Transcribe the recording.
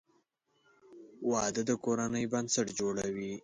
• واده د کورنۍ بنسټ جوړوي.